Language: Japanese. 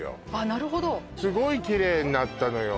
なるほどすごいキレイになったのよ